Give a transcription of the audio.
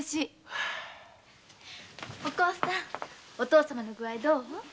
おこうさんお父様の具合どう？